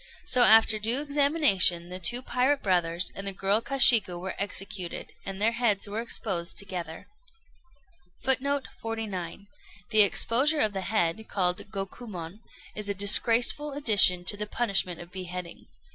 So, after due examination, the two pirate brothers and the girl Kashiku were executed, and their heads were exposed together. [Footnote 49: The exposure of the head, called Gokumon, is a disgraceful addition to the punishment of beheading.